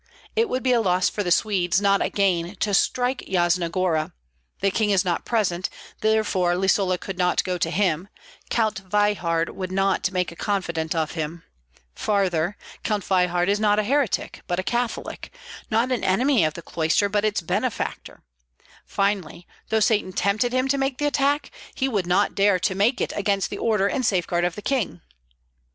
It would be a loss for the Swedes, not a gain, to strike Yasna Gora; the king is not present, therefore Lisola could not go to him; Count Veyhard would not make a confidant of him; farther, Count Veyhard is not a heretic, but a Catholic, not an enemy of the cloister, but its benefactor; finally, though Satan tempted him to make the attack, he would not dare to make it against the order and safeguard of the king."